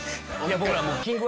僕ら。